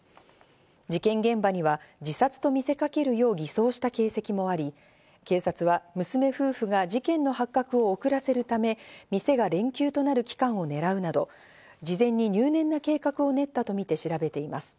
事件現場には自殺と見せかけるよう偽装した形跡もあり警察は娘夫婦が事件の発覚を遅らせるため、店が連休となる期間をねらうなど、事前に入念な計画を練ったとみて調べています。